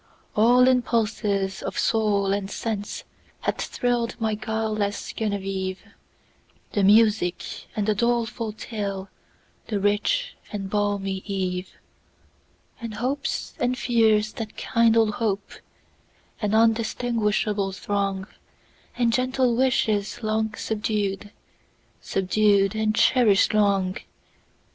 All impulses of soul and senseHad thrill'd my guileless Genevieve; The music and the doleful tale, The rich and balmy eve; And hopes, and fears that kindle hope, An undistinguishable throng, And gentle wishes long subdued, Subdued and cherish'd long!